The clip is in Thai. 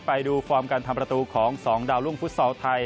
ไปดูฟอร์มการทำประตูของ๒ดาวรุ่งฟุตซอลไทย